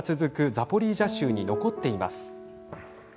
ザポリージャ州に残っています。